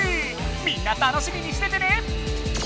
みんな楽しみにしててね！